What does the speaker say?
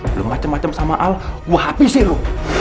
belum macem macem sama al gua hapisin lu